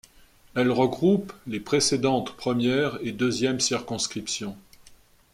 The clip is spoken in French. Elle regroupe les précédentes première et deuxième circonscriptions.